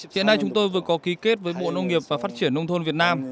hiện nay chúng tôi vừa có ký kết với bộ nông nghiệp và phát triển nông thôn việt nam